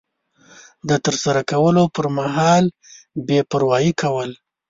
د ترسره کولو پر مهال بې پروایي کول